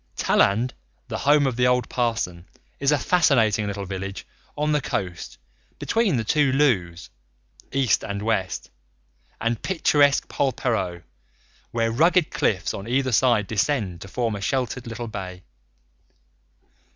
Talland, the home of the old parson, is a fascinating little village on the coast, between the two Looes East and West and picturesque Polperro, where rugged cliffs on either side descend to form a sheltered little bay.